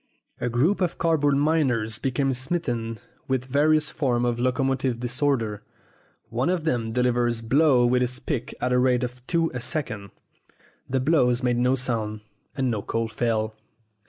A group of card board miners became smitten with various forms of locomotive disorder. One of them delivered blows with his pick at the rate of two a second. The blows made no sound, and no coal fell.